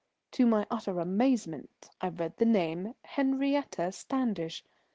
To my utter amazement I read the name, "Henriette Standish."